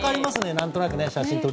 何となくね。